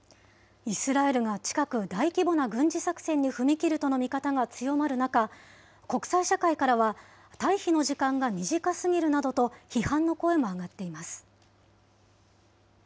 イスラエルが近く、大規模な軍事作戦に踏み切るとの見方が強まる中、国際社会からは、退避の時間が短すぎるなどと、批判の声も上がっています。